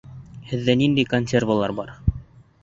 Һеҙҙә ниндәй консервалар бар?